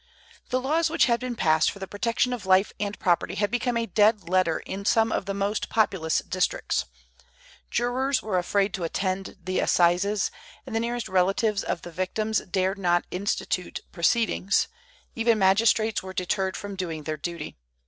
The laws which had been passed for the protection of life and property had become a dead letter in some of the most populous districts. Jurors were afraid to attend the assizes, and the nearest relatives of the victims dared not institute proceedings; even magistrates were deterred from doing their duty.